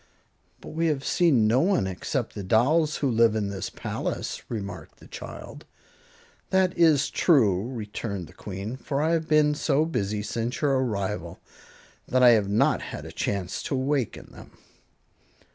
"But we have seen no one except the dolls who live in this palace," remarked the child. "That is true," returned the Queen, "for I have been so busy since your arrival that I have not had a chance to awaken them."